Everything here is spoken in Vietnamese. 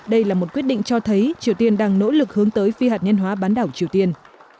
đây là một quyết định cho thấy triều tiên đang nỗ lực hướng tới phi hạt nhân hóa bán đảo triều tiên